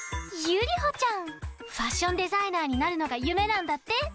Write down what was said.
ファッションデザイナーになるのがゆめなんだって。